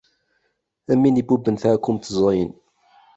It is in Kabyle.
Am win ibubben taɛkemt ẓẓayen.